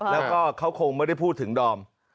แล้วก็เขาคงไม่ได้พูดถึงดอม